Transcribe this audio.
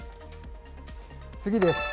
次です。